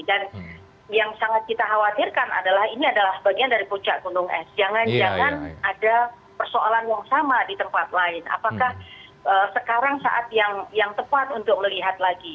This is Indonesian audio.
dan yang sangat kita khawatirkan adalah ini adalah bagian dari pocah gunung es jangan jangan ada persoalan yang sama di tempat lain apakah sekarang saat yang tepat untuk melihat lagi